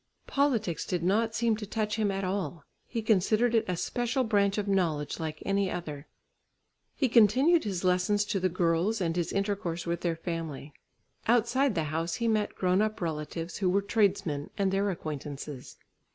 Politics did not seem to touch him at all; he considered it a special branch of knowledge like any other. He continued his lessons to the girls and his intercourse with their family. Outside the house he met grown up relatives, who were tradesmen, and their acquaintances.